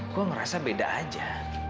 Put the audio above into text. gue ngerasa beda aja